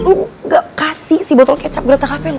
lu gak kasih si botol kecap geratak hape lu